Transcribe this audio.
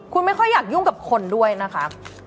คุณไม่ค่อยอยากยุ่งกับคนด้วยนะคะ